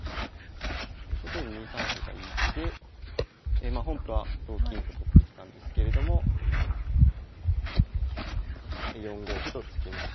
ということで２三歩がいい手でま本譜は同金と取ってきたんですけれども４五歩と突きまして。